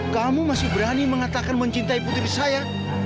kamu masih berani mengatakan mencintai putri saya